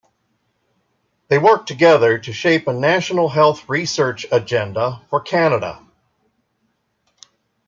They work together to shape a national health research agenda for Canada.